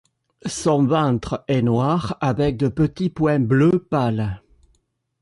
Son ventre est noir avec de petits points bleu pâle.